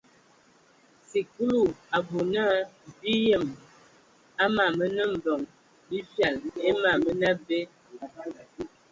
Sikulu a bɔ na bi yem a mam mənə mbəŋ bi fyal e ma mənə abe.